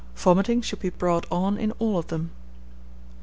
Vomiting should be brought on in all of them.